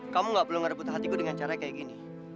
kamu ga perlu ngerebut hatiku dengan caranya kayak gini